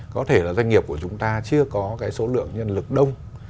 có thể là doanh nghiệp của chúng ta chưa có cái số lượng nhân lực đông